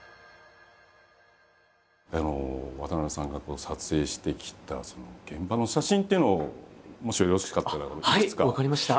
渡部さんが撮影してきた現場の写真っていうのをもしよろしかったら分かりました。